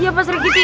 iya pak sergiti